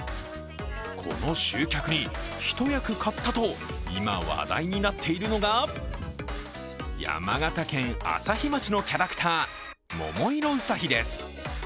この集客に一役買ったと今話題になっているのが山形県朝日町のキャラクター、桃色ウサヒです。